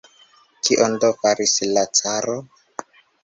Kion do faris la caro?